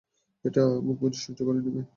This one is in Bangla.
এটা মুখ বুজে সহ্য করে নেবে?